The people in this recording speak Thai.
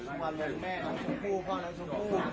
คือว่าลงแม่น้องชมผู้พ่อน้องชมผู้